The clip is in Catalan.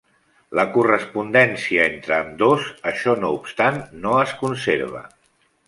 La correspondència entre ambdós, això no obstant, no es conserva.